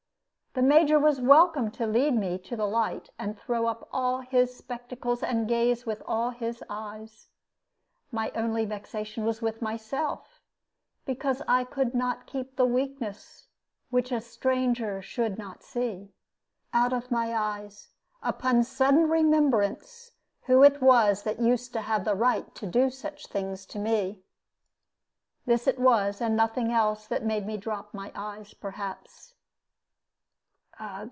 The Major was welcome to lead me to the light and to throw up all his spectacles and gaze with all his eyes. My only vexation was with myself, because I could not keep the weakness which a stranger should not see out of my eyes, upon sudden remembrance who it was that used to have the right to do such things to me. This it was, and nothing else, that made me drop my eyes, perhaps.